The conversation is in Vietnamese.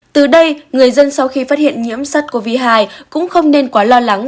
từ đây người dân sau khi phát hiện nhiễm sắc covid một mươi chín cũng không nên quá lo lắng